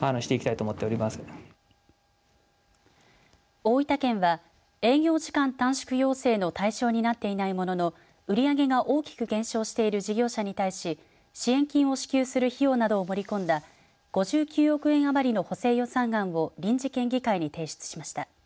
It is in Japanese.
大分県は営業時間短縮要請の対象になっていないものの売り上げが大きく減少している事業者に対し支援金を支給する費用などを盛り込んだ５９億円余りの補正予算案を臨時県議会に提出しました。